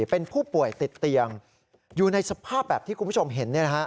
เป็นผู้ป่วยติดเตียงอยู่ในสภาพแบบที่คุณผู้ชมเห็น